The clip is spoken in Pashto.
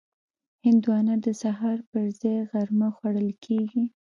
هندوانه د سهار پر ځای غرمه خوړل کېږي.